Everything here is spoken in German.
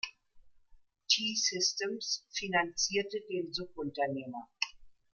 T-Systems finanzierte den Subunternehmer.